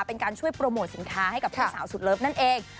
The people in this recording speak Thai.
เป็นการช่วยโปรโมทสินค้าให้กับพี่สาวสุดเลิฟนั่นเอง